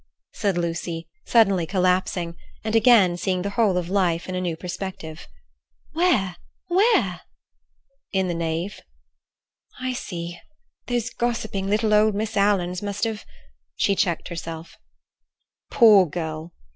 said Lucy, suddenly collapsing and again seeing the whole of life in a new perspective. "Where? Where?" "In the nave." "I see. Those gossiping little Miss Alans must have—" She checked herself. "Poor girl!"